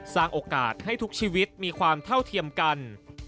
สร้างโอกาสให้ทุกชีวิตมีความเท่าเทียมกัน